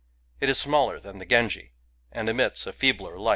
It is smaller than the Genji, and emits a feebler light.